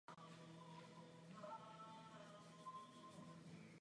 Toto jméno bylo prozatímně zvoleno a diskuse se přesunula na Metu.